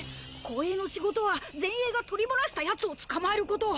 後衛の仕事は前衛が捕り漏らした奴を捕まえること。